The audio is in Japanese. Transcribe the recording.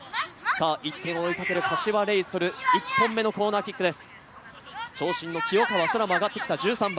１点を追いかける柏レイソル、１点目のコーナーキックです。